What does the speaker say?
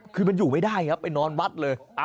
คือมันอยู่ไม่ได้ครับไปนอนวัดเลย